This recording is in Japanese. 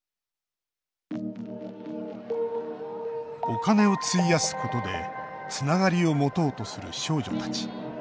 お金を費やすことでつながりを持とうとする少女たち。